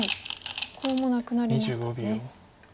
コウもなくなりましたね。